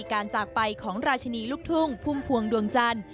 จากไปของราชินีลูกทุ่งพุ่มพวงดวงจันทร์